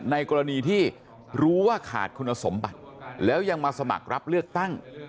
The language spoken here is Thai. ในกรณีที่รู้ว่าขาดคุณสมบัติแล้วยังมาสมัครรับเลือกตั้ง